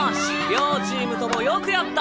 両チームともよくやった！！